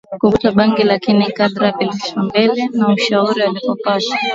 kuvuta bangi lakini kadri siku zilivyosonga mbele na ushauri aliopata